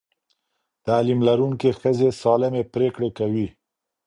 تعلیم لرونکې ښځې سالمې پرېکړې کوي.